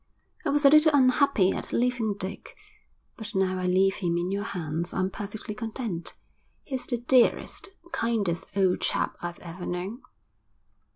'I was a little unhappy at leaving Dick; but now I leave him in your hands I'm perfectly content. He's the dearest, kindest old chap I've ever known.'